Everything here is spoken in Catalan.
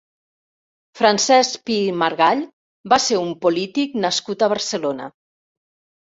Francesc Pi i Margall va ser un polític nascut a Barcelona.